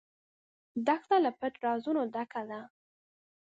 دښته له پټ رازونو ډکه ده.